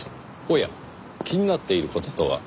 おや気になっている事とは？